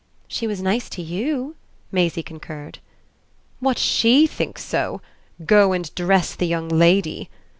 "She was nice to you," Maisie concurred. "What SHE thinks so 'go and dress the young lady!'